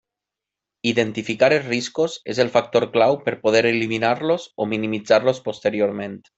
Identificar els riscos és el factor clau per poder eliminar-los o minimitzar-los posteriorment.